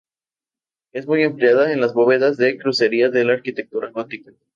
Es muy empleada en las bóvedas de crucería de la arquitectura gótica.